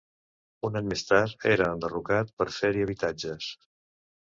Un any més tard era enderrocat per fer-hi habitatges.